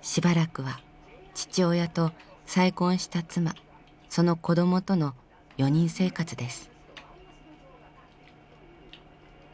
しばらくは父親と再婚した妻その子どもとの４人生活です。